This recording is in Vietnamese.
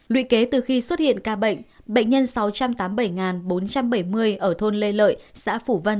lùi kế từ khi xuất hiện ca bệnh bệnh nhân sáu trăm tám mươi bảy bốn trăm bảy mươi ở thôn lê lợi xã phủ vân